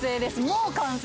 もう完成